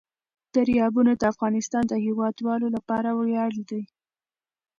دریابونه د افغانستان د هیوادوالو لپاره ویاړ دی.